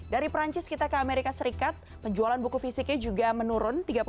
dari perancis kita ke amerika serikat penjualan buku fisiknya juga menurun